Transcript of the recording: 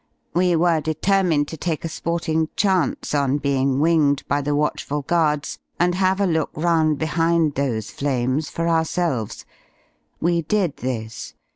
We were determined to take a sporting chance on being winged by the watchful guards and have a look round behind those flames for ourselves. We did this.